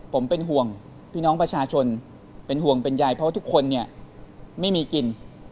ผมเป็นห่วงพี่น้องประชาชนเป็นห่วงเป็นยายเพราะว่าทุกคนเนี่ยไม่มีกิน